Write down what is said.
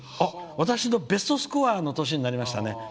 私のベストスコアの年になりますね。